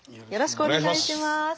よろしくお願いします。